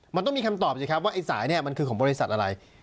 มันต้องมีคำตอบสิครับว่าไอ้สายเนี่ยมันคือของบริษัทอะไร